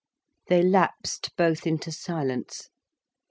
They lapsed both into silence.